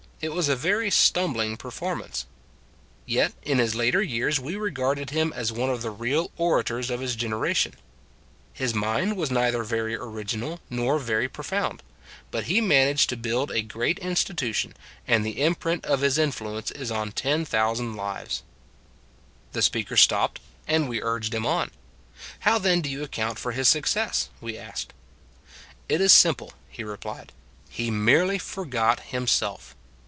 It was a very stumbling per formance. Yet, in his later years, we re garded him as one of the real orators of his generation. " His mind was neither very original nor very profound; but he managed to build a great institution, and the imprint of his influence is on ten thousand lives." 145 146 It s a Good Old World The speaker stopped, and we urged him on. " How then do you account for his suc cess? " we asked. " It is simple," he replied. " He merely forgot himself.